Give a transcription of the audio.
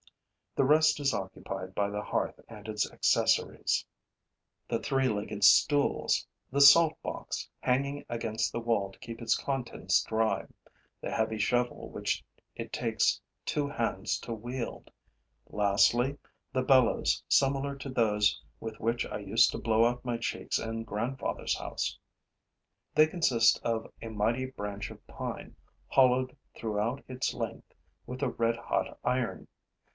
The rest is occupied by the hearth and its accessories: the three legged stools; the salt box, hanging against the wall to keep its contents dry; the heavy shovel which it takes two hands to wield; lastly, the bellows similar to those with which I used to blow out my cheeks in grandfather's house. They consist of a mighty branch of pine, hollowed throughout its length with a red hot iron.